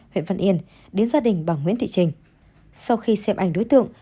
huyện văn yên đến gia đình bà nguyễn thị trình sau khi xem ảnh đối tượng